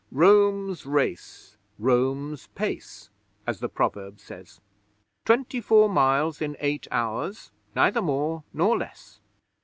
"Rome's Race Rome's Pace," as the proverb says. Twenty four miles in eight hours, neither more nor less.